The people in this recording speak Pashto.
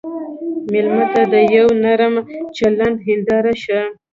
مېلمه ته د یوه نرم چلند هنداره شه.